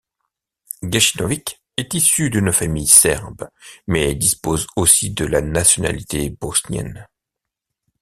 Gacinovic est issu d'une famille serbe mais dispose aussi de la nationalité bosnienne.